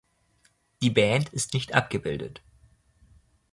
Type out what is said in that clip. Die Band ist nicht abgebildet.